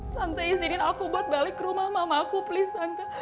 tante izinin aku buat balik ke rumah mamaku please tante